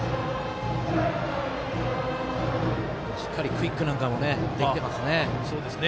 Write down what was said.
しっかりクイックなんかも出きてますね。